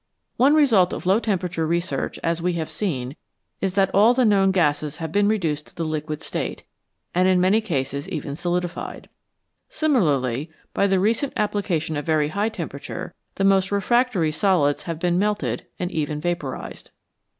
One result of low temperature research, as we have seen, is that all the known gases have been reduced to the liquid state, and in many cases even solidified. Similarly, by the recent application of very high tempera tures, the most refractory solids have been melted and even vaporised.